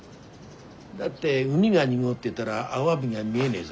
だって海が濁ってたらアワビが見えねえぞ。